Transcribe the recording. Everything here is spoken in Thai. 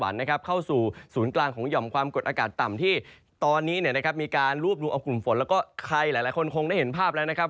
แล้วก็ใครหลายคนคงได้เห็นภาพแล้วนะครับ